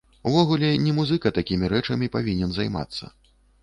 Увогуле не музыка такімі рэчамі павінен займацца.